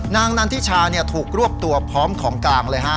นางนันทิชาถูกรวบตัวพร้อมของกลางเลยฮะ